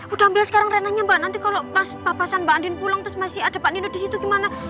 udah ambil sekarang ranahnya mbak nanti kalau pas papasan mbak andin pulang terus masih ada pak nino di situ gimana